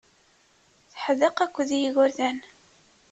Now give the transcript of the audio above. Teḥdeq akked yigerdan.